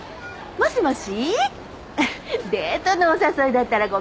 もしもし？